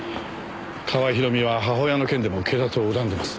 川合ひろみは母親の件でも警察を恨んでます。